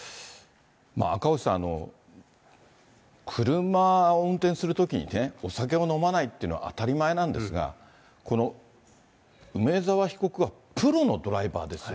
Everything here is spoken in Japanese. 赤星さん、車を運転するときにね、お酒を飲まないっていうのは当たり前なんですが、この梅沢被告はプロのドライバーですよ。